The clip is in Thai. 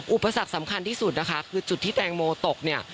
อุปสรรคสำคัญที่สุดนะคะคือจุดที่แตงโมตกเนี่ย